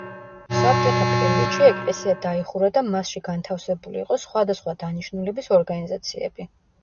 საბჭოთა პერიოდში ეკლესია დაიხურა და მასში განთავსებული იყო სხვადასხვა დანიშნულების ორგანიზაციები.